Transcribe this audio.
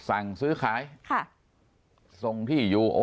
อันนึง๓กิโล